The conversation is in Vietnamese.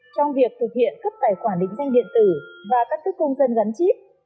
trong việc thực hiện cấp tài khoản định danh điện tử và các cấp công dân gắn chip